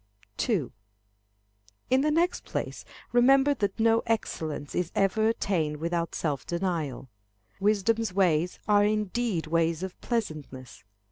2. In the next place, remember that no excellence is ever attained without self denial. Wisdom's ways are indeed ways of pleasantness.